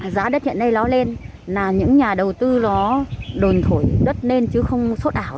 giá đất hiện nay nó lên là những nhà đầu tư nó đồn thổi đất lên chứ không sốt ảo